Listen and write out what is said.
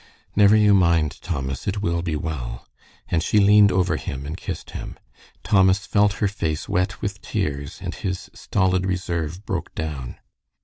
"Never you mind, Thomas, it will be well," and she leaned over him and kissed him. Thomas felt her face wet with tears, and his stolid reserve broke down.